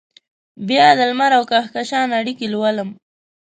بیا دلمر اوکهکشان اړیکې لولم